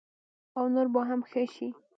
او نور به هم ښه شي.